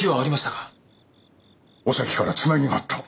おさきからつなぎがあった。